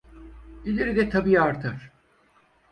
İleride tabii artar.